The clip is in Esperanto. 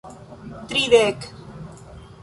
tridek